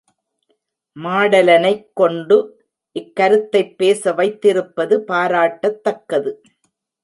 மாடலனைக் கொண்டு இக்கருத்தைப் பேச வைத்திருப்பது பாராட்டத்தக்கது.